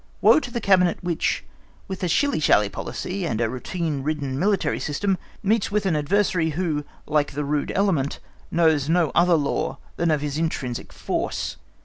Woe to the cabinet which, with a shilly shally policy, and a routine ridden military system, meets with an adversary who, like the rude element, knows no other law than that of his intrinsic force.